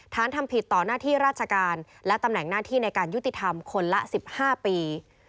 ทำผิดต่อหน้าที่ราชการและตำแหน่งหน้าที่ในการยุติธรรมคนละ๑๕ปี